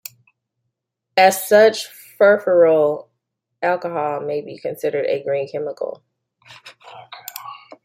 As such furfuryl alcohol may be considered a green chemical.